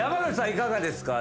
いかがですか？